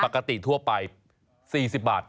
ปกติทั่วไป๔๐บาท